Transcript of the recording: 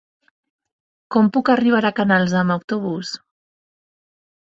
Com puc arribar a Canals amb autobús?